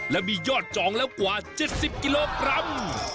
และมียอดจองแล้วกว่า๗๐กิโลกรัม